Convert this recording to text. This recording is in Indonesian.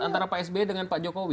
antara pak sby dengan pak jokowi